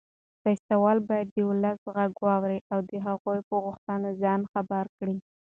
سیاستوال باید د ولس غږ واوري او د هغوی په غوښتنو ځان خبر کړي.